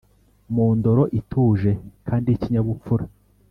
mundoro ituje kandi yikinyabupfura